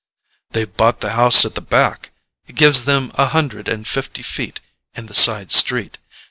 "They've bought the house at the back: it gives them a hundred and fifty feet in the side street.